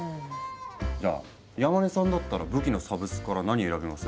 じゃあ山根さんだったら武器のサブスクから何選びます？